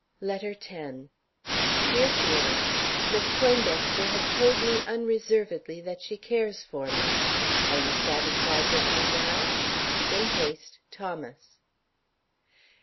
LETTER X. DEAR FELIX: Miss Poindexter has told me unreservedly that she cares for me. Are you satisfied with me now? In haste, THOMAS.